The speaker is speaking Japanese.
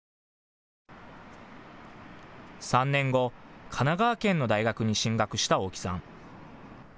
３年後、神奈川県の大学に進学した大木さん。